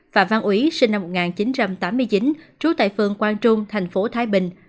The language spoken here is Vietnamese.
phạm văn úy sinh năm một nghìn chín trăm tám mươi chín trú tại phường quang trung thành phố thái bình